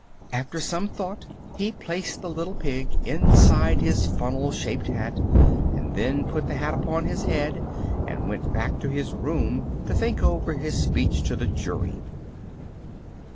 After some thought he placed the little pig inside his funnel shaped hat, and then put the hat upon his head and went back to his room to think over his speech to the jury.